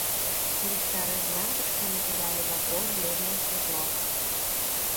Ліхтары з лямпачкамі кідалі вакол бледнае святло.